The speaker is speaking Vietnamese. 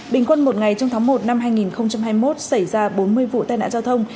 bình quân một ngày trong tháng một năm hai nghìn hai mươi một xảy ra bốn mươi vụ tai nạn giao thông